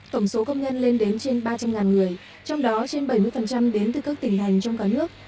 tổng số công nhân lên đến trên ba trăm linh người trong đó trên bảy mươi đến từ các tỉnh hành trong cả nước